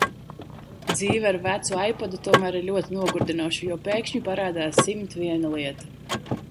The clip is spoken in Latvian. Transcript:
Dzīve ar vecu ipadu tomēr ir ļoti nogurdinoša, jo pēkšņi parādās simt viena lieta.